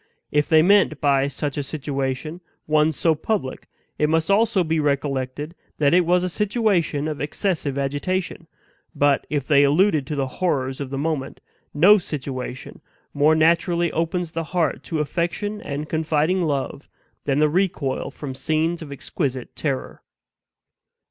If they meant by such a situation, one so public, it must be also recollected that it was a situation of excessive agitation; but, if they alluded to the horrors of the moment, no situation more naturally opens the heart to affection and confiding love than the recoil from scenes of exquisite terror.